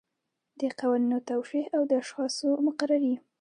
د قوانینو توشیح او د اشخاصو مقرري.